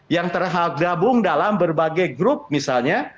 yang tergabung dalam berbagai grup misalnya